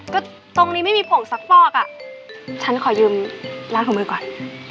ก็ตรงนี้ไม่มีผงสักฟอกอ่ะฉันขอยืมร้านของมือก่อน